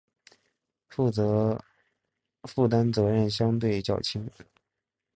负担责任相对较轻